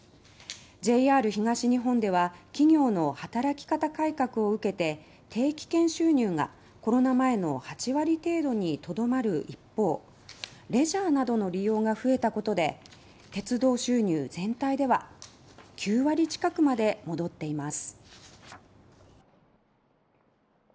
ＪＲ東日本では企業の働き方改革を受けて定期券収入がコロナ前の８割程度にとどまる一方レジャーなどの利用が増えたことで鉄道収入全体では９割近くまで戻っています。